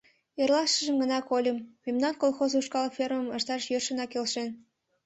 Эрлашыжым гына кольым: мемнан колхоз ушкал фермым ышташ йӧршынак келшен.